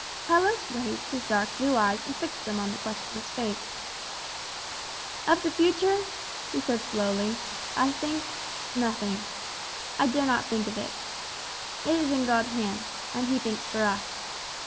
Carlos raised his dark blue eyes and fixed them on the questioner's face. "Of the future," he said slowly, "I think nothing. I dare not think of it. It is in God's hand, and he thinks for us.